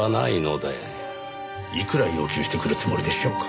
いくら要求してくるつもりでしょうか？